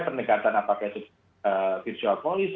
pendekatan apa itu visual police